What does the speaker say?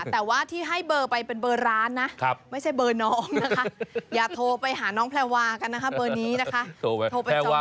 จะไว้ที่ให้เบอร์ไปเป็นแฮวาไปอยู่